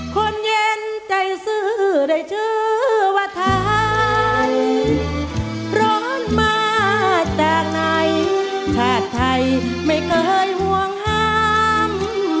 คนเย็นใจซื้อได้ชื่อว่าทานร้อนมาจากไหนชาติไทยไม่เคยห่วงห้าม